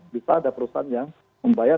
bisa ada perusahaan yang membayar